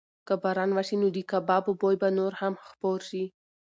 که باران وشي نو د کبابو بوی به نور هم خپور شي.